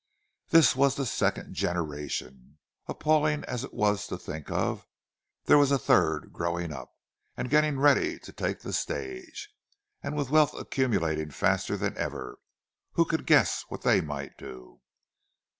This was the "second generation." Appalling as it was to think of, there was a third growing up, and getting ready to take the stage. And with wealth accumulating faster than ever, who could guess what they might do?